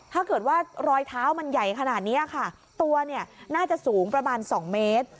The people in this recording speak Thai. ถ้าเกิดว่ารอยเท้ามันใหญ่ขนาดนี้ค่ะตัวเนี่ยน่าจะสูงประมาณ๒เมตร